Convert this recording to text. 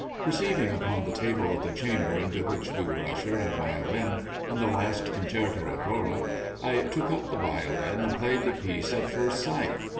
Perceiving upon the table of the chamber into which we were ushered a Violin, and the last concerto of Rolla, I took up the Violin and played the piece at first sight.